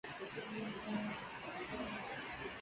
Su papel era el de una chica cuyo sueño era ser actriz.